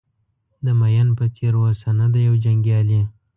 د مین په څېر اوسه نه د یو جنګیالي.